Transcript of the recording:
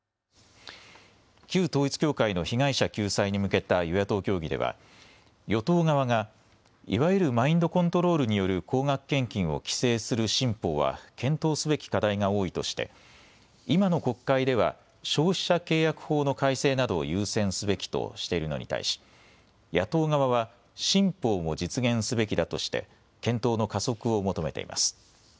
旧統一教会の被害者救済に向けた与野党協議では与党側がいわゆるマインドコントロールによる高額献金を規制する新法は検討すべき課題が多いとして今の国会では消費者契約法の改正などを優先すべきとしているのに対し野党側は新法を実現すべきだとして検討の加速を求めています。